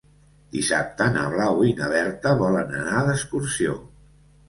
Dissabte na Blau i na Berta volen anar d'excursió.